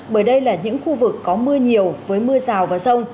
bởi đây là những khu vực có mưa nhiều với mưa rào và rông